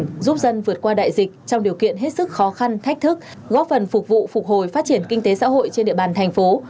giúp dân vượt qua đại dịch trong điều kiện hết sức khó khăn thách thức góp phần phục vụ phục hồi phát triển kinh tế xã hội trên địa bàn thành phố